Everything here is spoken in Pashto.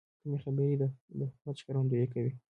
کمې خبرې، د حکمت ښکارندویي کوي.